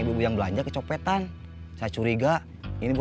bubun belum bisa aktif